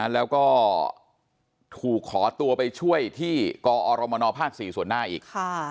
แล้วก็ถูกขอตัวไปช่วยที่กอรมนภ๔ส่วนหน้าอีก